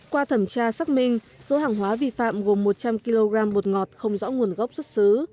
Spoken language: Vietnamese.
qua thẩm tra xác minh số hàng hóa vi phạm gồm một trăm linh kg bột ngọt không rõ nguồn gốc xuất xứ